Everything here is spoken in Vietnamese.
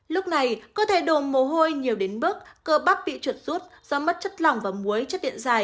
lúc này cơ thể đồn mồ hôi nhiều đến bước cờ bắp bị chuột rút do mất chất lòng và muối chất điện dài